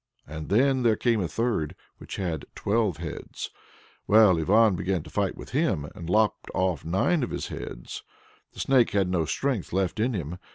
And then there came a third, which had twelve heads. Well, Ivan began to fight with him, and lopped off nine of his heads. The Snake had no strength left in him.